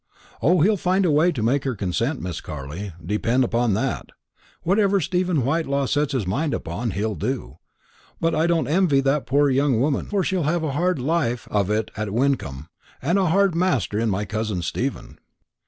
"O, he'll find a way to make her consent, Miss Carley, depend upon that. Whatever Stephen Whitelaw sets his mind upon, he'll do. But I don't envy that poor young woman; for she'll have a hard life of it at Wyncomb, and a hard master in my cousin Stephen."